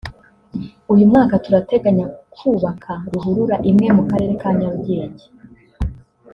…uyu mwaka turateganya kubaka ruhurura imwe mu karere ka Nyarugenge